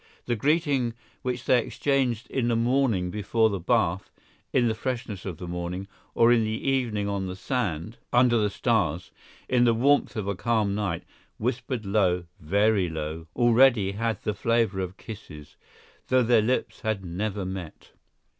The greeting which they exchanged in the morning before the bath, in the freshness of the morning, or in the evening on the sand, under the stars, in the warmth of a calm night, whispered low, very low, already had the flavor of kisses, though their lips had never met.